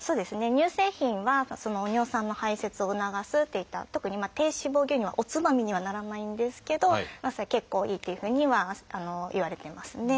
乳製品は尿酸の排せつを促すといった特に低脂肪牛乳はおつまみにはならないんですけど結構いいというふうにはいわれてますね。